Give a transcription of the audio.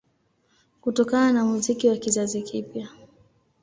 Kutokana na muziki wa kizazi kipya